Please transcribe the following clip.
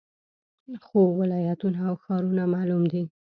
خو ولایتونه او ښارونه معلوم دي